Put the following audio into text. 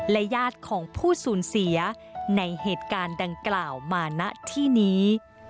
ญาติของผู้สูญเสียในเหตุการณ์ดังกล่าวมาณที่นี้